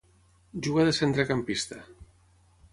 Juga de centrecampista.